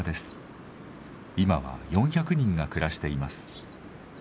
今は４００人が暮らしています。